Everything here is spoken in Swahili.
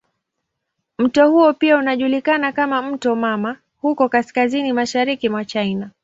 Mto huo pia unajulikana kama "mto mama" huko kaskazini mashariki mwa China.